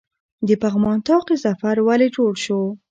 د پغمان طاق ظفر ولې جوړ شو؟